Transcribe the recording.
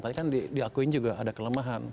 tapi kan diakui juga ada kelemahan